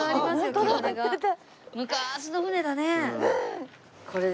昔の船だね。